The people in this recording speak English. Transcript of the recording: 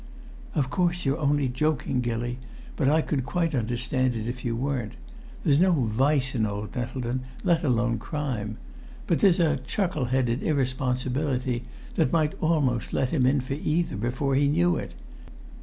"Of course you're only joking, Gilly, but I could quite understand it if you weren't. There's no vice in old Nettleton, let alone crime; but there's a chuckle headed irresponsibility that might almost let him in for either before he knew it.